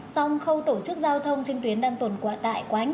xong khâu tổ chức giao thông trên tuyến đang tồn tại quá nhiều trường hợp